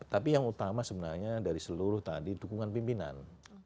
tapi yang utama sebenarnya dari seluruh tadi dukungan pimpinan